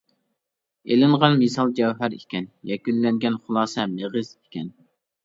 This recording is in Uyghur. ئېلىنغان مىسال جەۋھەر ئىكەن، يەكۈنلەنگەن خۇلاسە مېغىز ئىكەن.